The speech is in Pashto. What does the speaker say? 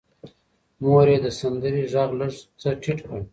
مور یې د سندرې غږ لږ څه ټیټ کړ.